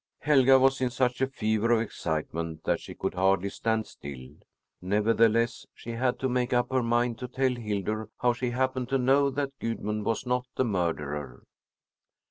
Helga was in such a fever of excitement that she could hardly stand still; nevertheless she had to make up her mind to tell Hildur how she happened to know that Gudmund was not the murderer.